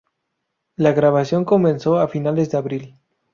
La grabación comenzó a finales de abril.